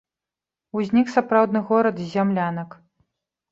Узнік сапраўдны горад з зямлянак.